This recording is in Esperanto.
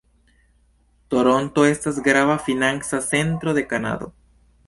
Toronto estas grava financa centro de Kanado.